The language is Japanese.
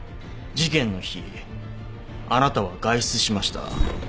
事件の日あなたは外出しました。